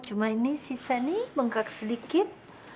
cuma ini sisa nih bengkak sedikit